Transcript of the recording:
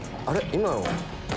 今の。